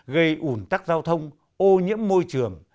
gây ủn tắc giao thông ô nhiễm môi trường